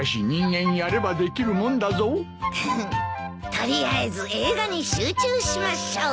取りあえず映画に集中しましょう。